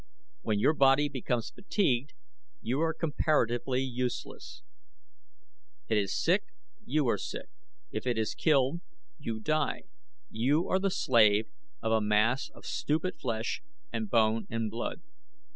When your body becomes fatigued you are comparatively useless; it is sick, you are sick; if it is killed, you die. You are the slave of a mass of stupid flesh and bone and blood.